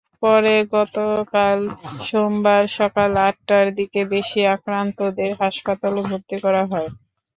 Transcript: পরে গতকাল সোমবার সকাল আটটার দিকে বেশি আক্রান্তদের হাসপাতালে ভর্তি করা হয়।